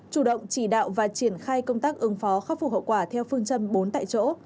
chủ động chỉ đạo và triển khai công tác ứng phó khắc phục hậu quả theo phương châm bốn tại chỗ